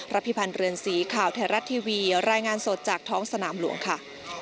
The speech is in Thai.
พิพันธ์เรือนสีข่าวไทยรัฐทีวีรายงานสดจากท้องสนามหลวงค่ะ